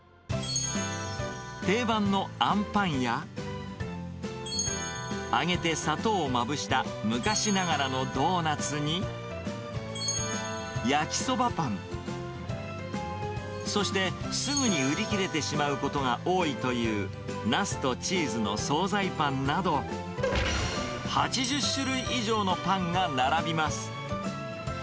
定番のあんぱんや、揚げて砂糖をまぶした昔ながらのドーナツに、やきそばパン、そしてすぐに売り切れてしまうことが多いというナスとチーズの総菜パンなど、８０種類以上のパンが並びます。